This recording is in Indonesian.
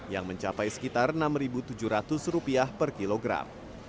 yang mencapai sekitar rp enam tujuh ratus per kilogram